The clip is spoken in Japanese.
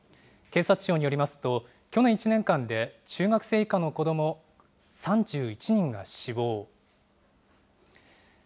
警察庁によりますと、去年１年間で中学生以下の子ども３１人が死亡。